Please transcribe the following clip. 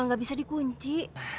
gak bisa dikunci